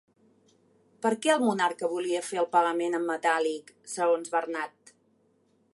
Per què el monarca volia fer el pagament en metàl·lic, segons Bernad?